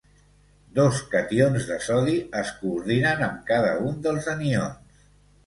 Dos cations de sodi es coordinen amb cada un dels anions.